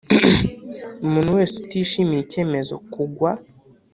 Umuntu wese utishimiye icyemezo kugwa